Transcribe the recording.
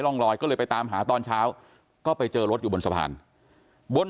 ร่องรอยก็เลยไปตามหาตอนเช้าก็ไปเจอรถอยู่บนสะพานบน